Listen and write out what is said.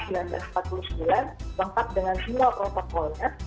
lengkap dengan semua protokolnya